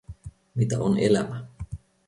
Mitä on elämä?